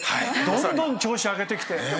どんどん調子上げてきて。